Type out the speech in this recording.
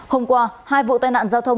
hôm qua hai vụ tai nạn giao thông